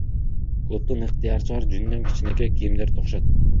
Клубдун ыктыярчылары жүндөн кичинекей кийимдерди токушат.